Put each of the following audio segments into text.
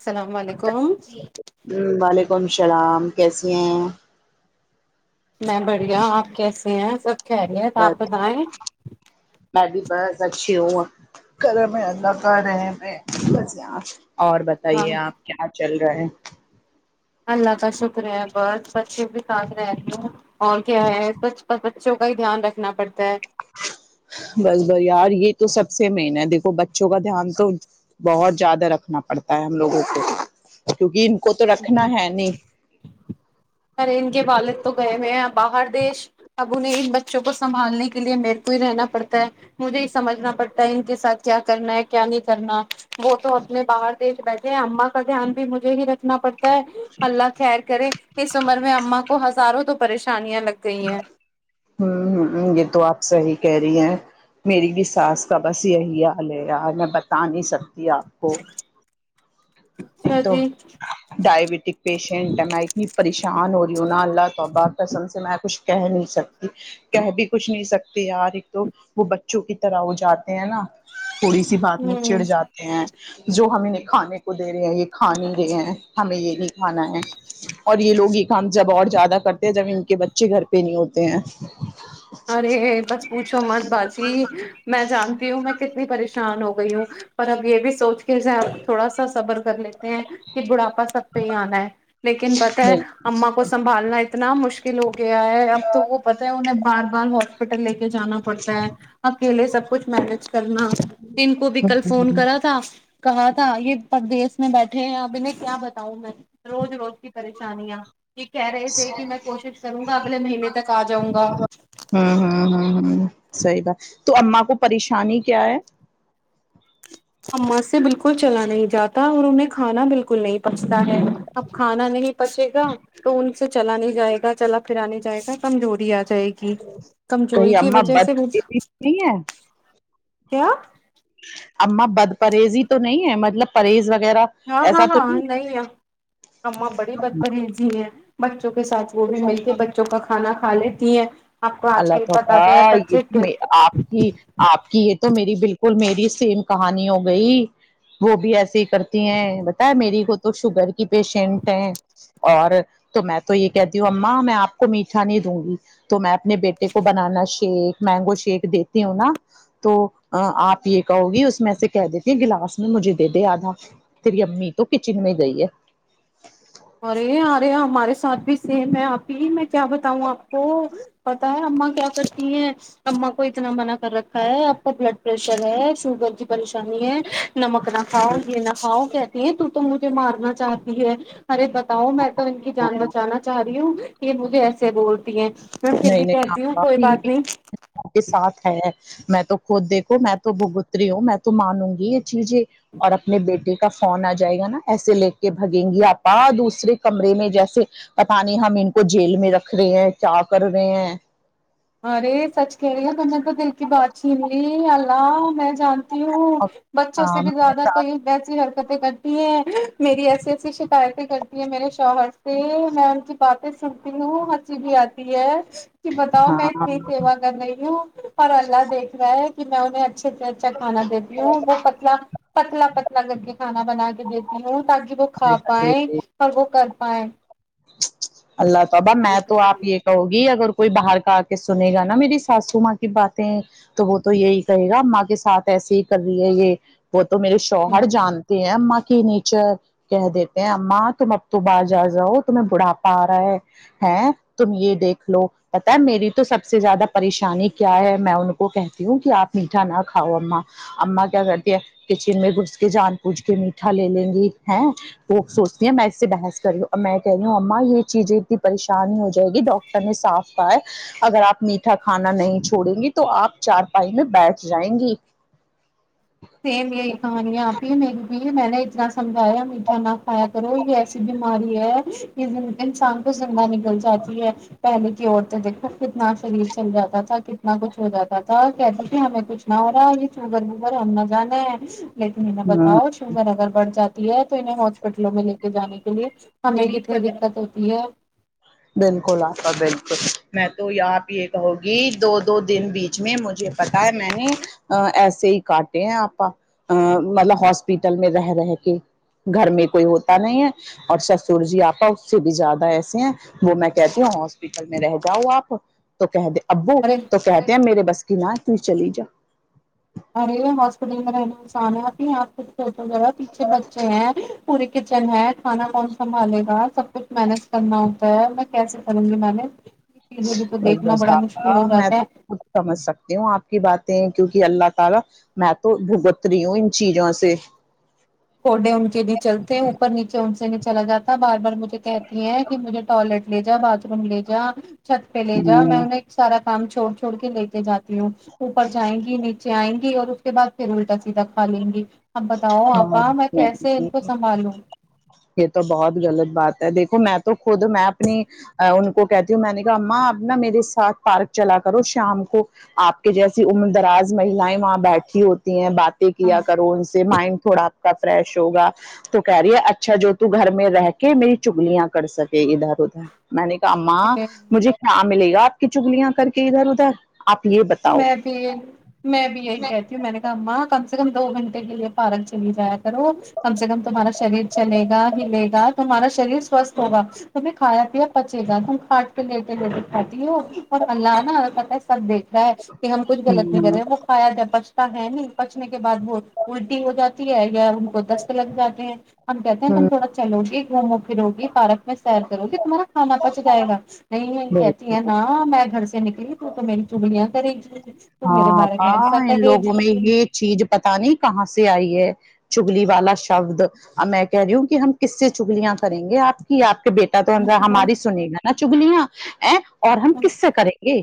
السلام علیکم شلام کیسی ہیں [unintelligible] نہیں بڑ [unintelligible] آپ کیسے ہیں سب کہہ رہے آپ بس بتائیں بھی بس اچھی کیوں گھر میں اللہ کا رہ میں بس یہاں [unintelligible] اور ہاں بتائیے آپ کیا چل رہا ہے اللہ کا شکر ہے بس بچے بھی ساتھ رہ رہی ہ اور کیا ہے بچوں کا ہی دھیان رکھنا پڑتا ہے بس ب یار یہ تو سب سے مین ہے دیکھو بچوں کا دھیان تو بہت زیادہ رکھنا پڑتا ہے ہم لوگوں کو کیونکہ [unintelligible] کو تو رکھنا ہے نہیں ارے ان کے والد تو گئے ہوئے باہر دیش اب انہیں ان بچوں کو سنبھالنے کے لیے میرے کو ہی رہنا پڑتا ہے مجھے ہی سمجھنا پڑتا ہے ان کے ساتھ کیا کرنا ہے کیا نہیں کرنا وہ تو اپنے باہر دیش بیٹھے ہیں اما کا دھیان بھی مجھے ہی رکھ رنا پڑتا ہے اللہ خیر کرے عمر میں اما کو ہزاروں تو پریشانیاں لگ گئی ہیں ہوں ہ یہ تو آپ صحیح کہہ رہی ہیں میری بھی ساس کا بس یہی حال ہے یار میں بتا نہیں سکتا یا ہو اچھا تو جی ڈائبٹک پیش چھنٹ نائ پریشان ہو رہی ہو نہ اللہ بات قسم سے میں کچھ کہہ نہیں سکتی کہ بھی کچھ نہیں سکتی یار ایک تو وہ بچوں کی طرح وہ جاتے ہیں نا تھوڑی سی بات میں چڑ ہوں جاتے ہیں جو ہمیں نے کھانے کو دے رہے ہیں یہ کھا نہیں رہے ہیں ہمیں یہ نہیں کھانا ہے اور یہ لوگ یہ کام جب اور زیادہ کرتے ہیں جب ان کے بچے گھر پہ نہیں ہوتے ہیں ارے بس پوچھو مت باجی میں جانتی ہوں میں کتنے پریشان ہو گئی ہوں پر اب یہ بھی سوچ کے آپ تھوڑا سا صبر کر لیتے ہیں کہ بڑاپا سب پہ ہی آنا ہے لیکن پت ہے ہوں اما کو سنبھالنا اتنا مشکل ہو گیا ہے اب تو وہ پتا ہے انہیں بار بار ہاسپٹل لے کے جانا پڑتا ہے اکیلے سب کچھ مینج کرنا ان کو بھی کل فون کرا تھا کہا تھا یہ پردیس میں بیٹھے ہیں اب انہیں کیا بتاؤ میں روز روز کی پریشانیاں یہ کہہ رہے تھے کہ میں کوشش کروں گا اگلے مہینے تک آ جاؤں گا ہاں ہاں ہاں ہاں صحیح بات تو اماں کو پریشانی کیا ہے اما سے بالکل چلا نہیں جاتا اور انہیں کھانا بالکل نہیں پچتا ہے اب کھانا نہیں پچے گا تو ان سے چلانے جائے گا چلا پھر آ نہیں جائے گا کمزور آ جائے گی کہیں کمزوری کی اما وجہ بد سے وہ نہیں ہے کیا اما بد پریز ہی تو نہیں ہے مطلب پرہیز وغیرہ ہاں ایسا ہاں تو ہاں نہیں ہے اماں بڑی بت پریجی ہے [unintelligible] کے ساتھ وہ بھی میل کے بچوں کا کھانا کہا لیتی ہیں آپ کو آج اللہ کل پتا توبہ تو ہے بچے یہ آپ کی آپ کی یہ تو میری بالکل ب میری سیم کہانی ہو گئی وہ بھی ایسے ہی کرتی ہیں بت میری کو تو شوگر کی پیشنٹ ہیں اور تو میں تو یہ کہتی ہوں اما میں آپ کو میٹھا نہیں دوں گی تو میں اپنے بیٹے کو بنانا شیک مینگو شیک دیتی ہوں نا تو آپ یہ کہو گی اس میں سے کہ دیتی ہیں گلاس میں مجھے دے دے آدھا تیری امی تو کچن میں گئی ہے ارے ارے ہمارے ساتھ بھی سیم ہے آپ ہی میں کیا بتاؤں آپ کو پتا ہے اماں کیا کرتی ہیں اما کو اتنا منع کر رکھا ہے آپ کا بلڈ پریشر ہے شوگر کی پریشانی نی ہے نمک نہ کاؤ گی نہ کاؤ کہ تو تو مجھے مارنا چاہتی ہے ارے بتاؤ میں تو ان کی جان بچانا چاہ رہی ہوں یہ مجھے سے بولتی ہیں میں پھر نہیں بھی نہیں کہتی ہوں آپ کوئی آپ یہ بات نہیں کے ساتھ ہے میں تو خود دیکوں میں تو بگوتری ہوں میں تو مانوں گی چییے اور اپنے بیٹے کا فون آ جائے گا نا ایسے لے کے بھگیں گی آپ دوسرے کمرے میں جیسے پت نہیں ہم ان کو جیل میں رکھ رکھ رہے ہیں کیا کر رہے ہیں ارے سچ کہہ رہی ہے تم نے تو دل کی بات چن لی اللہ میں جان ہوں بچوں سے ہاں بھی میرے زیادہ ساتھ کہئی ویسی حرکتیں کرتی میری ایسی ایسی شکایتیں کرتی ہیں میرے شوہر سے میں ان کی باتیں سنتی ہوں ہچی بھی آتی ہے کہ تااؤ میںتری سیوا ہاں کر رہی ہوں اور اللہ دیکھ رہا ہے پ میں نےچے [unintelligible] اچ سے اچھا کھانا دیتی ہوں وہ پتلا پتلا پتلا کر کے کھانا بنا کے دیتی ہوں تاکہ وہ کھا پائائے اور وہ کر پ [unintelligible] اللہ تعبہ میں تو آپ یہ کہوں گی اگر کوئی باہر کا آ کے سنے گا نا میری ساسو ماں کی باتیں تو وہ تو یہی کہے گا ماں کے ساتھ ایسے ہی کر رہی ہے یہ ب تو میرے شوہر جانتے ہیں اما کی نیچر کہہ دیتے ہیں اما تم اب تو باہ جا جاؤ بڑھا پا رہا ہے ہے تم یہ دیکھ لو پتا میری تو سب سے زیادہ پریشانی کیا ہے میں ان کو کہتی ہوں کہ آپ میٹھا نہ کھاؤ اما اما کیا کرتی ہیں کچن میں گھس کے جان پوچھ کے میٹھا لے لیں گی ہے وہ سوچتی ہیں میں اس سے بحث کری ہوں [unintelligible] کہہ رہی ہوں اا یہ چیزیں اتنی پریشانی ہو جائے گی ڈاکٹر نے صاف کہا ہے اگر آپ میٹھا کھانا نہیں چھوڑیں گی تو آپ چارپائی میں بیٹھ جائیں گی سم یہی کہانییاںپی م بھی میں نے اتنا سمجھایا م کھانا کھایا کرو یہ ایسی بیماری یہ م [unintelligible] سان کو سنگا نکل جاتی ہے پہلے کی اورت دیکھو کتنا شریر چل جاتا تھا کتنا کچھ ہو جاتا تھا کہتی تھی ہمیں کچھ نہ ہو رہا یہ شوگر ووگر ہم نہ جان [unintelligible] لیکنیں ہاں بتاؤ شوگر اگر بڑ جاتا ہے تو انہیں ہاسپٹلوں میں لے کے جانے کے لیے ہمیں بھی کیا دقت ہوتی ہے بالکل آپا بالکل میں تو یہاں پ یہ کہوں گی دو دو دن بیچ میں مجھے پتا ہے میں نے ایسے ہی کاٹے ہیں آپا ا مطلب ہاسپٹل میں رہ رہ کے گھر میں کوئی ہوتا نہیں ہے اور سسر جی آپا اس سے بھی زیادہ ایسے ہیں وہ میں کہتی ہوں ہاسپٹل میں رہ جاؤ آپ تو کہ د ابو ارے تو کہہتے ہیں میرے بس کہنا ت چلی جاؤ ارے ہاسپٹل میں رہنا انسان ہے ابھی آپ کھ سوچ جائے گا پیچھے بچے ہیں پورے کچن ہے کھانا من سنبالے گا سب کچھ مینج کرنا ہوتا ہے میں کیسے کروں گی مینج یہ چیزیں بھی تو بس دیکھنا بس بڑا آپ مشکل ہو میں جاتا ہے تو سمجھ سکتی ہوں آپ کی بات کیونکہ اللہ تعالی میں تو بھگت رہی ہوں ان چیزوں سے کوڈے ان کے لیے چلتے ہیں اوپر نیچے ان سے چلا جاتا بار بارجھے کہ کہ مجھے ٹائلٹ لے جا باتھ روم لے جا چھت پہ لے جا ہ میںہیں ایک سارا کام چھوڑ چھوڑ کے لے کے جاتی ہوں اوپر جائیں گی نیچے آئیں گی اور اس کے بعد پھر الٹا سیدھا کھا لیں گی آپ بتاؤ آپ یہ تو بہت غلط بات دیکھو میں تو خود میں اپنی ان کو کہتی ہوں میں نے کہا ماں اب ن میرے ساتھ پارک چلا کرو شام کو آپ کے جیسی عمر دراز مہیلیں وہاں بیٹھی ہوتی ہیں بات کیا کرو ان سے مائنڈ تھوڑا آپ کا فریش ہوا تو کہہ رہی ہے اچھا جو ت گھر میں رہ کے میری چگلیاں کر سکے ادھر ادھر میں نے کہا ااں ہاں مجھے کیا ملے گی آپ کی چگلیاں کر کے ادھر ادھر آپ یہ بتاؤ میں بھی میں بھی یہی کہتی ہوں میں نے کہا ماں کم سے کم دو گھنٹے کے لیے پارک چلی جایا کرو کم سے کم تمہارا شریر چلے گا ہلےا تمہارا شریر سوستھ ہوگا تمہیں کھایا پیا پچے گا تم کھاٹ کے لیتے لیتے کھاتی ہو اور اللہ نہا پت ہے سب دیکھ ہے کہ ہم کچھ ہ غط نہیں کر رہے وہ کایا ج بچتا ہے نہیں پچھنے بعد وہ الٹی ہو جاتی ہے یا ان کو دست لگ جاتے ہیں ہم کہتے ہیں ہ تم ہ تھوڑا چلو گے پر ہوگی فارک میں سیر کروں کہ تمہارا کانا پچ جائے گا نہیں بول کہتی ہے ن میں گھر سے نکلی ت تو میری چگڑیا کری ہاںپا ان لوگوں میں یہ چیز پتا نہیں کہاں سے آئی ہے چگلی والا شبد میں کہہ رہی ہوں کہ ہم کس سے چگلیاں کریں گے آپ کی آ کہ بیٹا تو انر ہماری گی سنی گا نا چگلں [inaudible] اور ہم کس سے کریں گے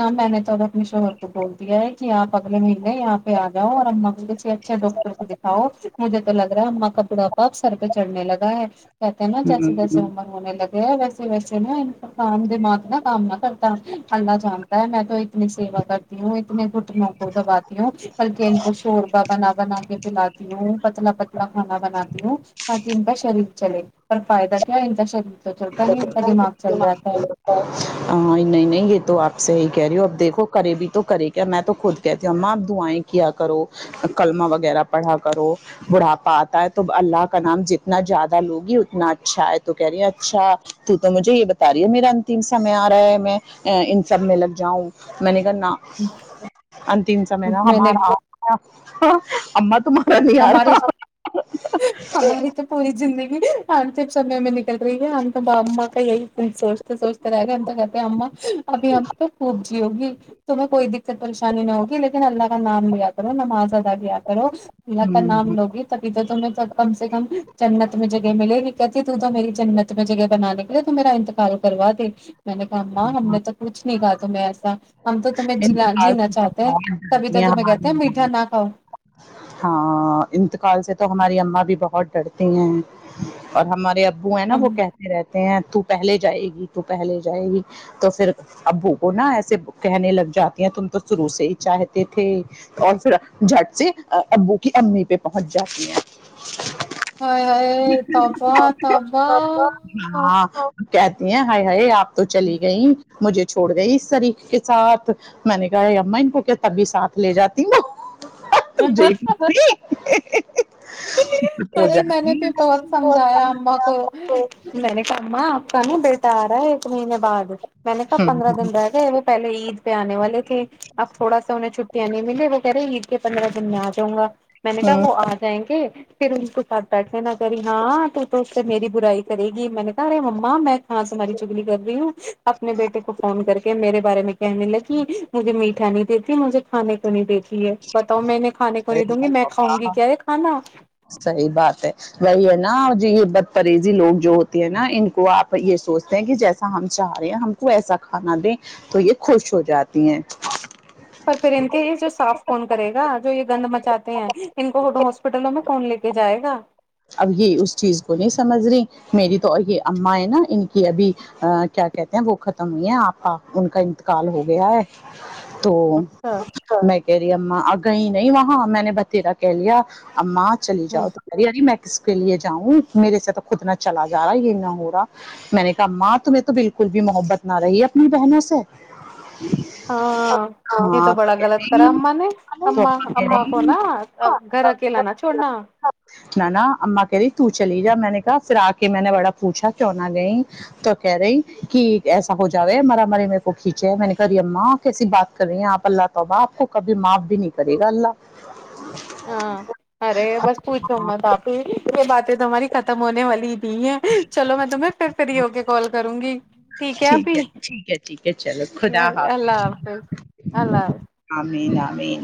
ہاں میں نے تو اب اپنے شوہر کو بول دیا ہے کہ آپ اگے مہینے یہاں پہ آ جاؤ اور اما کو کسی اچھے ڈاکٹر کو دکھاؤ مجھے تو لگ رہا ہے اما کا بڑاپا ا سر پہ چڑھنے لگا ہے کہتے نا جیسے ہوں جیےمر ہونے لگے ویسے ویسے نہ پر کام د مات نہ کامنا کرتا اللہ میں تو اتنی سیوا کرتی ہوں اتنے گھٹنوں کو دباتی ہوں بلکہ ان کو شوربا بنا بنا کے پلاتی ہوں پتلا پتلا کھانا بناتی ہوں تاکہ ان کا شریر [inaudible] پر فائد کیا انجشر میں نہیں نہیں گ تو آپ صحی کہہ رہی ہوں اب دیکھو کرے بھی تو کرے گ میں تو خود کہتی ہوں ااں اب دعائیں کیا کرو کلمہ وغیرہ پڑھا کرو بڑھاپا آتا ہے تو اللہ کا نام جتنا زیادہ لوگی اتنا اچھا ہے تو کہہ رہی ہیں اچھا تو مجھے یہ بتا رہی ہے میرا انتم سمے آ رہا ہے میں ان سب میں لگ جاؤں میں نے نا انتم سمے نا میں نے ہمارا [inaudible] پنی آارا ہماری پانتف سمے میں نکل رہی ہے ہم تو باں کا یہی سوچتے سوچتے رہ گئے ہم تو کہتے ہیں اا ابھی ہم تو خوب جیو گی تومیں کوئی دقت شانن ہوگ لیکن الگا نان بھی آاتار نم آزادگ بھی آاتارو للا کا نام لوگی تبھی توھر تمہیں سب کم سے کم جنت میں جگہ ملے وکت تو تو میری جنت میں جگہ بناانے کے لیے تو میرا انتقال کروا دی میں نے کہااں ہم نے تو کچھ نہیں کہا تمہیں ایسا ہم تو تمہیں ج انتقال جینا سے سب چاہتے ہیں بہت تبھی تو ڈرتی تمہیں کہتے ہماری ہیں میٹھا اما نہ کھاؤ ہاں انتقال سے تو ہماری اما بھی بہت ڈرتی ہیں اور ہمارے ا بو ہے نا وہ ہم کہتے رہتے ہیں تو پہلے جائے گی تو پہلے جائے گی تو پھر ابو کو نا ایسے کہنے لگ جاتی ہیں تم تو شروع سے ہی چاہتے تھے اور پھر جٹ سے ابو کی امی پہ پہنچ جاتی ہیں ہائے ہائے تب تب ہاں کہتی ہیں ہائی ہائی آپ تو چلی گئییں مجھے چھوڑ گئی اس طریح ساتھ میں نے کہا یہ ام ان کو کیا تبھی ساتھ لے جاتی نا [inaudible] ارے میں نے تو بہت سمجھایا اما کو میں نے کہما کا نا بیٹا آ رہا ہے ایک مہینے بعد میں نے کہا پندرہ دن رہ گئے وہ پہل عید پہ آنے والے تھے اب تھوڑا س انہیں چھٹیاں نہیں ملیں وہ کہہ رہے عید کے پندرہ دن میں آ جاؤ گا میں نے کہ وہ آ جائیں گے پھر ان کے ساتھ بیٹھنے نہا کری ہاں تو تو سے میری برائی کرے گی میں نے کہا ارے مما میں ہاں سے ہماری چگلی کر رہی ہوں اپنے بیٹے کو فون کر کے میرے بارے میں کہنے لگی مجھے می میں نہیں دیتیھی مجھے کھے کو نہیں د دیتی بتاؤ میں نےیں کھان کو نہیں دوں گی میں کاؤں گی کیا ایک صحی بات ہے وہی ہے نا یہ بدپریریزی لوگ جو ہوتے ہیں نا ان کو آپ یہ سوچتے ہیں کہ جیسا ہم چاہ رہے ہیں ہم کو ایسا کھانا دیں تو یہ خوش ہو جاتی ہیں پر پھر ان کے ہی جو صاف کون کرے گا جو یہ گند مچاتے ہیں ان کو ہاسپٹلوں میں فون لے کے جائے گا اب یہ اس چیز کو نہیں سمجھ رہی میری تو اور یہ اما ہے نا ان کی ابھی کیا کہتے ہیں وہ ختم ہوئی ہیں آپ کا ان کا انتقال ہو گیا ہے تو اچھا میں کہہ رہی امہ گئی نہیں وہاں میں نے بتھییرا کہہ لیا ااں چلی ہوں جؤ توی میں کس کے لیے جاؤں میرے سے تو خود نہ چلا جا رہا یہ نہ ہو رہا میں نے کہا ماں تمہیں تو بالکل بھی محبت نہ رہی اپنی بہنوں سے ہاں یہ تو بڑا غلط کرا اما نے تو اما کہہ امما کو رہی نا گھر اکیلا نہا چھوڑنا اما کہہ رہی ت تو چلی جا میں نے کہا پھر آ کے میں نے بڑا پوچھا کیوں نہ گئی تو کہہ رہی کہ ایسا ہو جاو مرا مر میرے کو کھینچے ہے میں نے کہا رہی اماپ کیسی بات کر رہی ہیں آپ اللہ توبہ آپ کو کبھی معاف بھی نہیں کرے گا اللہ ہاں ارے بس پوچھو مت آپی یہ باتیں تو ہماری ختم ہونے والی نہے چلو میں تمیں پھر فری ہو کے کال کروں گی ٹھیک ہےپ ی ہے ٹھیک ہے ٹھیک ہے چلو خدا حافظ اللہ حافظ اللہ حافظ مین امین